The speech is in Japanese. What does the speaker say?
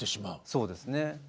そうですね。